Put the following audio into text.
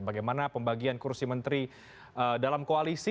bagaimana pembagian kursi menteri dalam koalisi